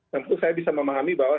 tentu saya bisa memahami bahwa